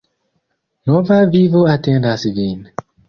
Nova vivo atendas vin!